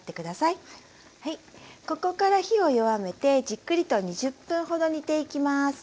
ここから火を弱めてじっくりと２０分ほど煮ていきます。